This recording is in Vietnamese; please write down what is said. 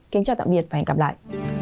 kính chào tạm biệt và hẹn gặp lại